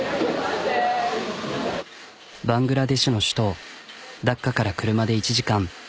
バングラデシュの首都ダッカから車で１時間。